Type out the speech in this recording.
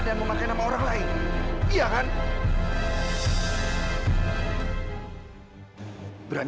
dan mengakui nama orang lain